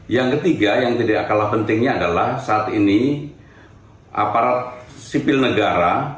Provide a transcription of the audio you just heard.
yang ketiga yang tidak kalah pentingnya adalah saat ini aparat sipil negara